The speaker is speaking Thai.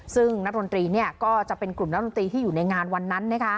ซึ่งนักดนตรีก็จะเป็นกลุ่มนักดนตรีที่อยู่ในงานวันนั้น